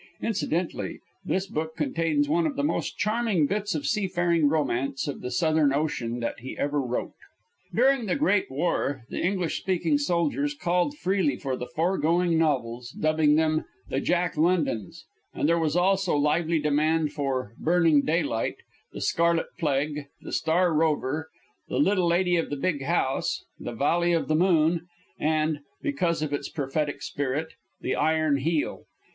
Incidentally this book contains one of the most charming bits of seafaring romance of the Southern Ocean that he ever wrote. During the Great War, the English speaking soldiers called freely for the foregoing novels, dubbing them "The Jacklondons"; and there was also lively demand for "Burning Daylight," "The Scarlet Plague," "The Star Rover," "The Little Lady of the Big House," "The Valley of the Moon," and, because of its prophetic spirit, "The Iron Heel."